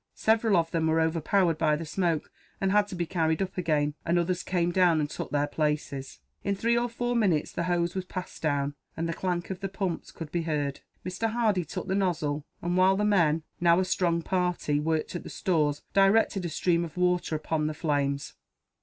Several of them were overpowered by the smoke, and had to be carried up again; and others came down and took their places. In three or four minutes the hose was passed down, and the clank of the pumps could be heard. Mr. Hardy took the nozzle and while the men, now a strong party, worked at the stores, directed a stream of water upon the flames.